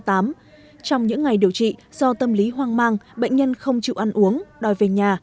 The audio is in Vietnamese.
trong những ngày điều trị do tâm lý hoang mang bệnh nhân không chịu ăn uống đòi về nhà